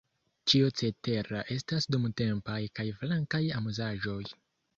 Ĉio cetera estas dumtempaj kaj flankaj amuzaĵoj.